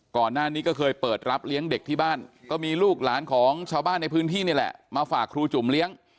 ก่อนหน้านี้ก็เคยเปิดรับเลี้ยงเด็กที่บ้านก็มีลูกหลานของชาวบ้านในพื้นที่นี่แหละมาฝากครูจุ่มเลี้ยง